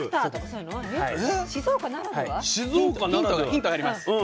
ヒントあります。